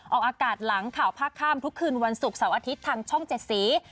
ออกอากาศหลังข่าวภาคข้ามทุกคืนวันศุกร์เสาร์อาทิตย์ทางช่องเจ็ดสี